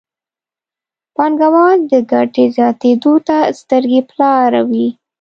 پانګوال د ګټې زیاتېدو ته سترګې په لاره وي.